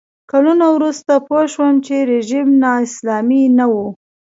کلونه وروسته پوه شوم چې رژیم نا اسلامي نه و.